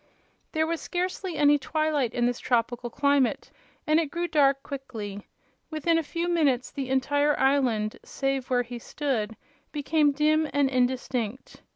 There was scarcely any twilight in this tropical climate and it grew dark quickly. Within a few minutes the entire island, save where he stood, became dim and indistinct.